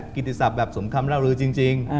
กิจศัพท์สมคำราวรือจริง